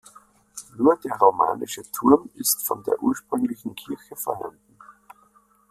Nur der romanische Turm ist von der ursprünglichen Kirche vorhanden.